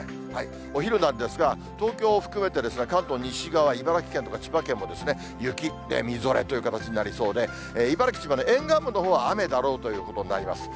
お昼なんですが、東京を含めて、関東西側、茨城県とか千葉県も雪、で、みぞれという形になりそうで、茨城、千葉で沿岸部のほうは雨だろうということになります。